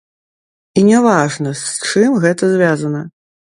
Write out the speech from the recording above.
І не важна, з чым гэта звязана.